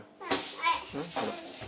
はい。